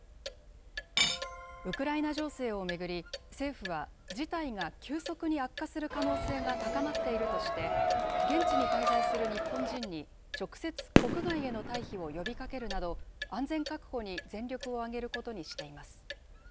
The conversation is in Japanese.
ウクライナ情勢を巡り、政府は、事態が急速に悪化する可能性が高まっているとして、現地に滞在する日本人に、直接、国外への退避を呼びかけるなど、安全確保に全力を挙げることにしています。